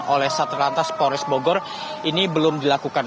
oleh satu lantas polres bogor ini belum dilakukan